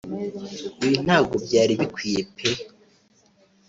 Ibi ntabwo nabyo byari bikwiye pe